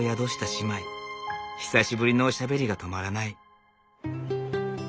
久しぶりのおしゃべりが止まらない。